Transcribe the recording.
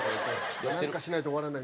なんかしないと終わらない。